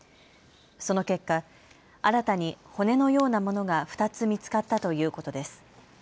その結果、新たに骨のようなものが２つ見つかったということです。